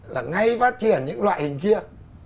là ngay phát triển những loại hình kia